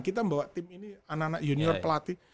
kita membawa tim ini anak anak junior pelatih